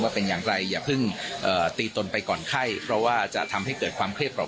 เป็นอย่างไรอย่าเพิ่งเอ่อตีตนไปก่อนไข้เพราะว่าจะทำให้เกิดความเครียดเปล